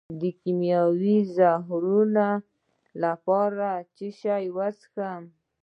د کیمیاوي زهرو لپاره باید څه شی وڅښم؟